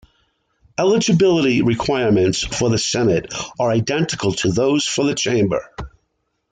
Eligibility requirements for the Senate are identical to those for the Chamber.